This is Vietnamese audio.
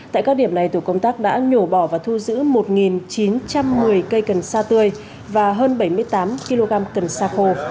tại các điểm này tổ công tác đã nhổ bỏ và thu giữ một chín trăm một mươi cây cần sa tươi và hơn bảy mươi tám kg cần sa khô